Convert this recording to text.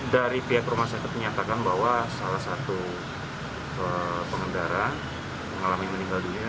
dari pihak rumah sakit menyatakan bahwa salah satu pengendara mengalami meninggal dunia